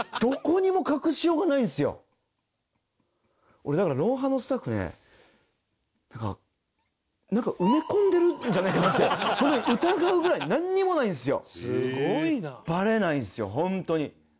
俺だから『ロンハー』のスタッフねなんか埋め込んでるんじゃないかな？ってホントに疑うぐらいなんにもないんですよ。